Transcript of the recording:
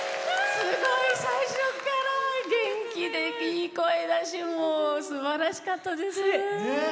すごい、最初から元気でいい声だし、すばらしかったです。